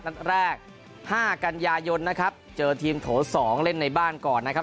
นัดแรก๕กันยายนนะครับเจอทีมโถ๒เล่นในบ้านก่อนนะครับ